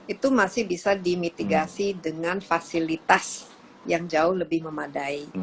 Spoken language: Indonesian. itu masih bisa dimitigasi dengan fasilitas yang jauh lebih memadai